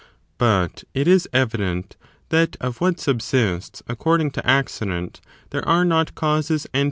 But it is evident that of what subsists accord 3. The same ing to accident there are not causes and first